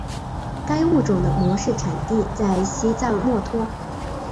该物种的模式产地在西藏墨脱。